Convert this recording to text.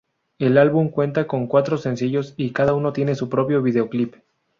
El álbum cuenta con cuatro sencillos y cada uno tiene su propio videoclip.